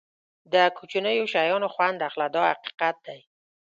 د کوچنیو شیانو خوند اخله دا حقیقت دی.